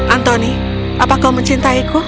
anthony apa kau mencintaiku